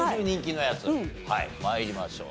参りましょう。